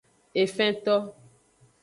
Efento.